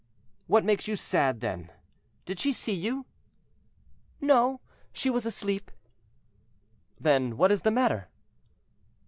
"What makes you sad then? Did she see you?" "No, she was asleep." "Then what is the matter?"